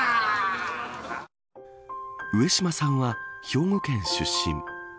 上島さんは兵庫県出身。